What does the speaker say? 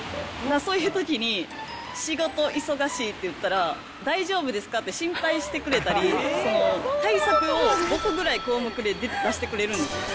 そういうときに、仕事忙しいって言ったら、大丈夫ですか？って心配してくれたり、対策を５個ぐらい項目で出してくれるんですよ。